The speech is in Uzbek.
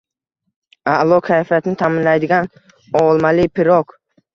A’lo kayfiyatni ta’minlaydigan olmali pirog